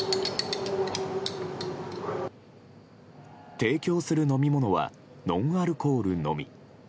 提供する飲み物はノンアルコールのみ。